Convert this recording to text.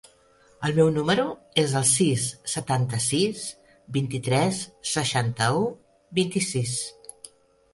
El meu número es el sis, setanta-sis, vint-i-tres, seixanta-u, vint-i-sis.